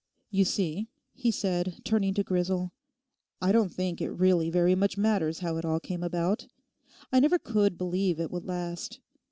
'You see,' he said, turning to Grisel, 'I don't think it really very much matters how it all came about. I never could believe it would last.